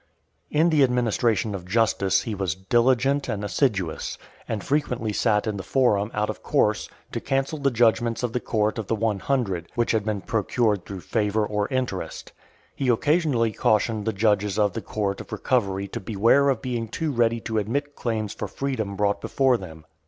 VIII. In the administration of justice he was diligent and assiduous; and frequently sat in the Forum out of course, to cancel the judgments of the court of The One Hundred, which had been procured through favour, or interest. He occasionally cautioned the judges of the court of recovery to beware of being too ready to admit claims for freedom brought before them.